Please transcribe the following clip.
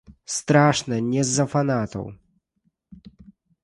Страшна не з-за фанатаў.